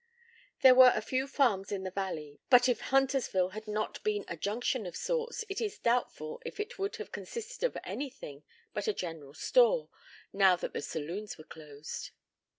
There were a few farms in the valley, but if Huntersville had not been a junction of sorts, it is doubtful if it would have consisted of anything but a "general store," now that the saloons were closed.